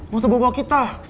gak usah bawa bawa kita